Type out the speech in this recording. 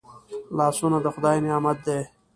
لاسونه د خدای نعمت دی